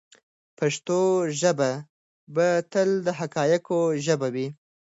پښتو ژبه به تل د حقایقو ژبه وي.